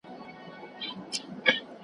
دنیا د مینې ئې کړه ورانه زما